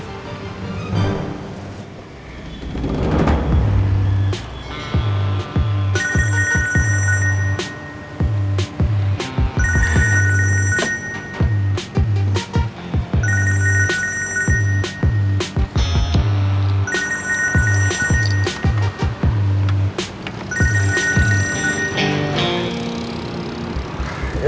ya terima kasih